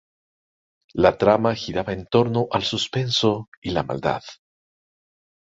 La trama giraba en torno al suspenso y la maldad.